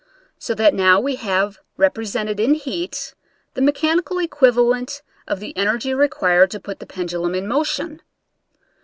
So that now we have represented in heat the mechanical equivalent of the energy required to put the pendulum in motion.